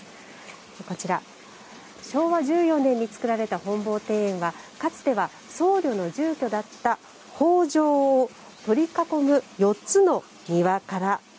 こちら昭和１４年につくられた本坊庭園はかつては僧侶の住居だった「方丈」を取り囲む４つの庭からなっています。